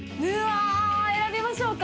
選びましょうか。